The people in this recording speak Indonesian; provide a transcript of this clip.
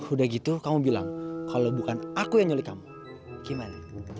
udah gitu kamu bilang kalau bukan aku yang nyulik kamu gimana